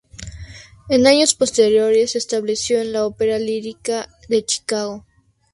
En años posteriores se estableció en la Ópera Lírica de Chicago.